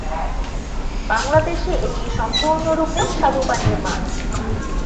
বাংলাদেশে এটি সম্পূর্ণরূপে স্বাদু পানির মাছ।